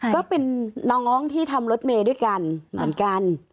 ก็เป็นน้องที่ทำรถเมย์ด้วยกันเหมือนกัน